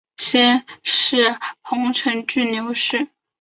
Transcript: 先世彭城郡刘氏。